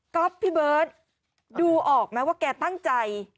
ก็พี่เบิร์ตดูออกไหมว่าแกตั้งใจ